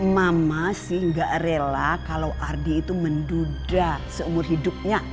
mama sih gak rela kalau ardi itu menduda seumur hidupnya